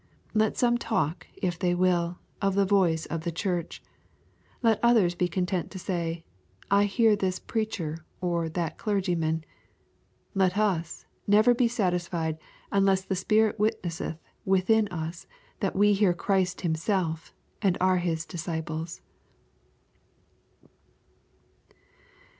Let some talk, if they will, of the voice of the Church. Let others be content to say, *^ I hear this preacher, or that clergyman." Let us never be satisfied unless the Spirit witnesseth within us that we hear Christ Himself, and are His disciples.